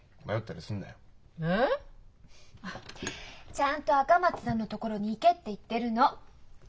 「ちゃんと赤松さんのところに行け」って言ってるの！